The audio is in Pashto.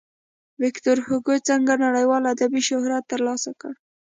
ویکتور هوګو څنګه نړیوال ادبي شهرت ترلاسه کړ.